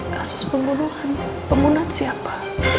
kasus pembunuhan pembunuhan siapa